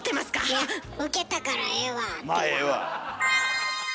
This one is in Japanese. いや「ウケたからええわ」って言わはる。